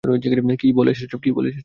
কি বলে এসেছো?